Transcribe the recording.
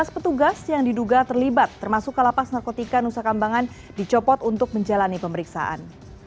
tujuh belas petugas yang diduga terlibat termasuk kalapas narkotika nusa kambangan dicopot untuk menjalani pemeriksaan